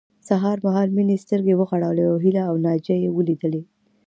سهار مهال مينې سترګې وغړولې او هيله او ناجيه يې وليدلې